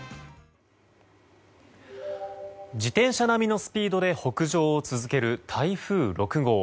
自転車並みのスピードで北上を続ける台風６号。